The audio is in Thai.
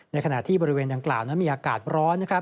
ขณะที่บริเวณดังกล่าวนั้นมีอากาศร้อน